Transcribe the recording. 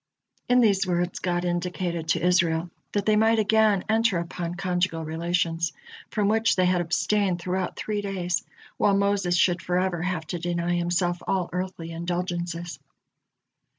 In these words God indicated to Israel that they might again enter upon conjugal relations, from which they has abstained throughout three days, while Moses should forever have to deny himself all earthly indulgences.